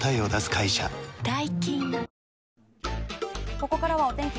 ここからはお天気